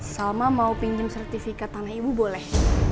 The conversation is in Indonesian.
salma mau pinjam sertifikat tanah ibu boleh